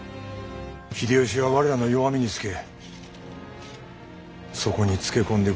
秀吉は我らの弱みにつけそこにつけ込んでくると存じまする。